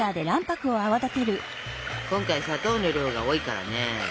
今回砂糖の量が多いからね。